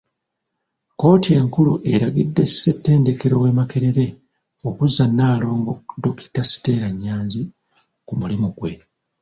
Kkooti enkulu eragidde Ssettendekero w'e Makerere okuzza Nalongo Dokita Stella Nyanzi ku mulimu gwe.